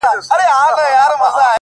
سم به په لو تبه پرېوځمه زه.!